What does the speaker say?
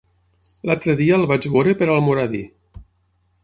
L'altre dia el vaig veure per Almoradí.